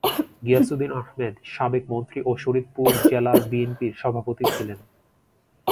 গিয়াস উদ্দিন আহমেদ সাবেক মন্ত্রী ও শরীয়তপুর জেলা বিএনপির সভাপতি ছিলেন।